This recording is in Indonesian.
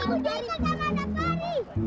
woi anak pari